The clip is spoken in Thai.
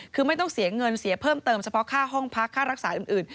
คือไม่ต้องเสียเงินเสียเพิ่มเติมเฉพาะค่าห้องพักค่ารักษาอื่น